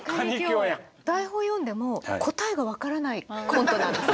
台本読んでも答えが分からないコントなんです。